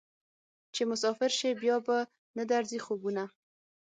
چې مسافر شې بیا به نه درځي خوبونه